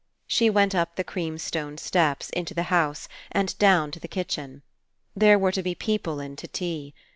She went up the cream stone steps, into the house, and down to the kitchen. There were to be people in to tea.